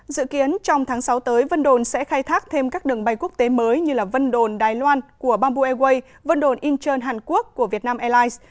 dự kiến trong tháng sáu tới vân đồn sẽ khai thác thêm các đường bay quốc tế mới như vân đồn đài loan của bamboo airways vân đồn incheon hàn quốc của vietnam airlines